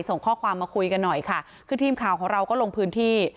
ส่งข้อความมาคุยกันหน่อยค่ะคือทีมข่าวของเราก็ลงพื้นที่